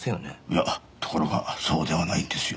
いやところがそうではないんですよ。